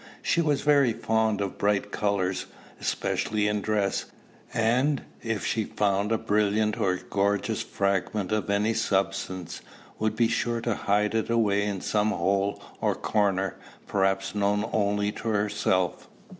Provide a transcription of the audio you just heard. She was very fond of bright colors, especially in dress; and, if she found a brilliant or gorgeous fragment of any substance, would be sure to hide it away in some hole or corner, perhaps known only to herself.